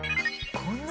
こんな？